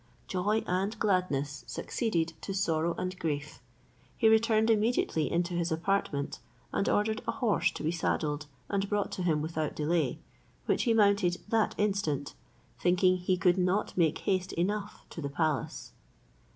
Joy and gladness succeeded to sorrow and grief. He returned immediately into his apartment, and ordered a horse to be saddled and brought to him without delay, which he mounted that instant, thinking he could not make haste enough to the palace.